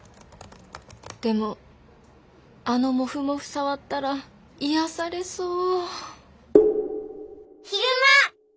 でもあのモフモフ触ったら癒やされそう。悲熊。